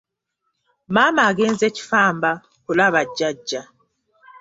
Maama agenze Kifamba kulaba jjajja.